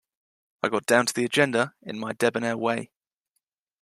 I got down to the agenda in my debonair way.